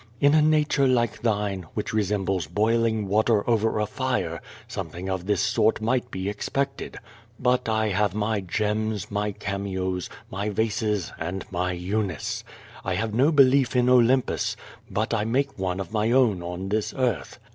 In a nature like thine, which resembles boiling water over a fire, something of this sort might be expected. J)ut I have my gems, my cameos, my vases, and my P^unice. I have no belief in Olympus, but I make one of my own on this earth.